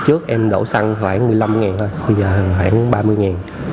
trước em đổ xăng khoảng một mươi năm ngàn thôi bây giờ khoảng ba mươi ngàn